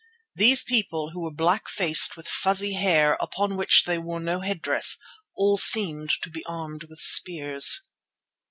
These people, who were black faced with fuzzy hair upon which they wore no head dress, all seemed to be armed with spears.